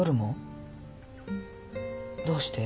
どうして？